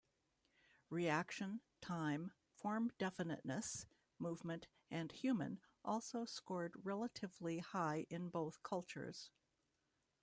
Reaction, Time, Form Definiteness, Movement, and Human also scored relatively high in both cultures.